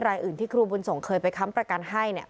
รายอื่นที่ครูบุญส่งเคยไปค้ำประกันให้เนี่ย